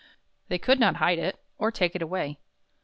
They could not hide it or take it away.